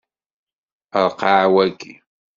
Ṛeqqeɛ waki.